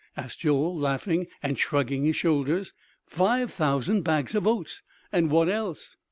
asked Joel laughing and shrugging his shoulders. "Five thousand bags of oats." "And what else?"